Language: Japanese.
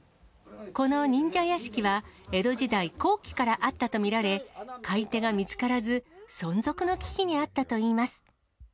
この忍者屋敷は、江戸時代後期からあったと見られ、買い手が見つからず、存続の危機にあったといいます。